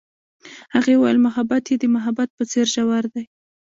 هغې وویل محبت یې د محبت په څېر ژور دی.